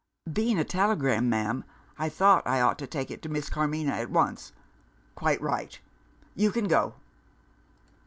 "Being a telegram, ma'am, I thought I ought to take it to Miss Carmina at once." "Quite right. You can go."